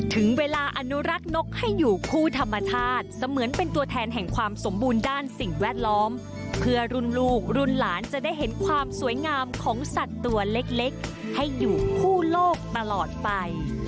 ถึงเวลาอนุรักษ์นกให้อยู่คู่ธรรมชาติเสมือนเป็นตัวแทนแห่งความสมบูรณ์ด้านสิ่งแวดล้อมเพื่อรุ่นลูกรุ่นหลานจะได้เห็นความสวยงามของสัตว์ตัวเล็กให้อยู่คู่โลกตลอดไป